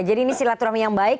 jadi ini silaturahmi yang baik